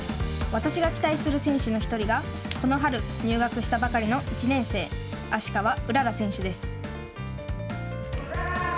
私が期待する選手の１人がこの春入学したばかりの１年生芦川うらら選手です。